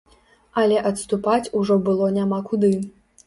Але адступаць ужо было няма куды.